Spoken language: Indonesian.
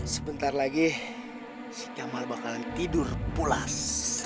sebentar lagi si jamal bakalan tidur pulas